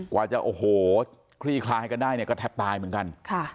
กว่าจะโอ้โหคลี่คลายกันได้เนี่ยก็แทบตายเหมือนกัน